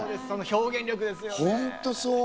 その表現力ですよね。